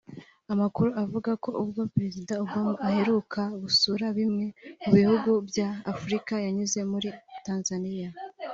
Amakuru avuga ko ubwo Perezida Obama aheruka gusura bimwe mu bihugu bya Afurika yanyuze muri Tanzania